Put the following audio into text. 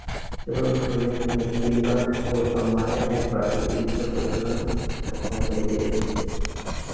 কেবলমাত্র Les Ames তিনবার ও জন মারে একবার এ কৃতিত্ব প্রদর্শনে সক্ষমতা দেখিয়েছেন।